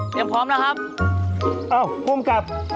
ยังพร้อมนะครับ